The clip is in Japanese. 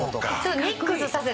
ミックスさせて。